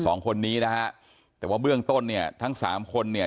สองคนนี้นะฮะแต่ว่าเบื้องต้นเนี่ยทั้งสามคนเนี่ย